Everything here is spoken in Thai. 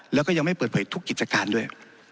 แล้วก็ยังไม่เปิดเผยทุกกิจการด้วย